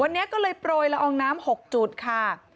วันนี้ก็เลยโปรยละอองน้ำ๖จุดค่ะ